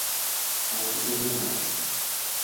এমনকি তুমিও না।